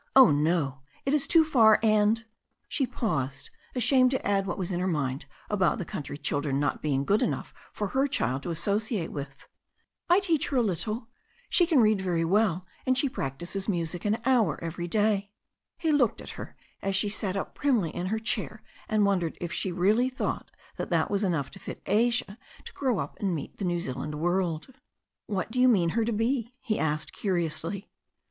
Oh, no. It is too far, and" — she paused, ashamed to add what was in her mind about the cotmtry children not being good enough for her child to associate with — ^"I teach her a little. She can read very well, and she practises music an hour every day." He looked at her as she sat up primly in her chair, and 150 THE STORY OF A NEW ZEALAND RIVER wondered if she really thought that that was enough to fit Asia to grow up and meet the New Zealand world. "What do you mean her to be?" he asked curiously.